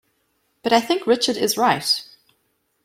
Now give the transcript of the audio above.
But I think Richard is right.